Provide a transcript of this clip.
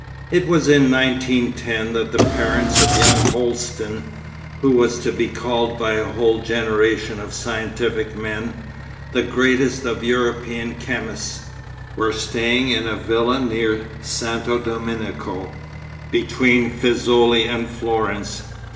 It was in 1910 that the parents of young Holsten, who was to be called by a whole generation of scientific men, 'the greatest of European chemists,' were staying in a villa near Santo Domenico, between Fiesole and Florence.